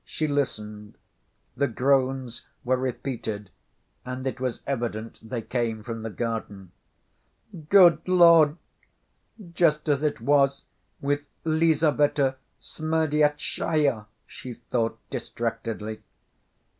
She listened. The groans were repeated, and it was evident they came from the garden. "Good Lord! Just as it was with Lizaveta Smerdyastchaya!" she thought distractedly.